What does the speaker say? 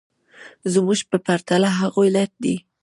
زموږ په پرتله هغوی لټ دي